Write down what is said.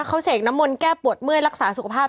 เขาเสกน้ำมนต์แก้ปวดเมื่อยรักษาสุขภาพ